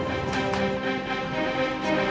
kamu yakin nggak apa apa bu